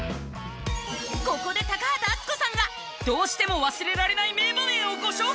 ここで高畑淳子さんがどうしても忘れられない名場面をご紹介！